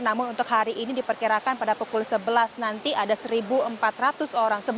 namun untuk hari ini diperkirakan pada pukul sebelas nanti ada satu empat ratus orang